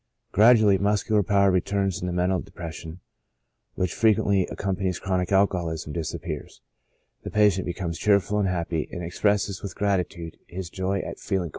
Gradually, muscu lar power returns, and the mental depression, which fre quently accompanies chronic alcoholism, disappears ; the patient becomes cheerful and happy, and expresses with TREATMENT.